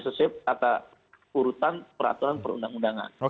sesuai kata urutan peraturan perundang undangan